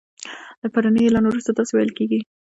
له پروني اعلان وروسته داسی ویل کیږي